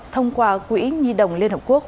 thông qua quỹ nhi đồng liên hợp quốc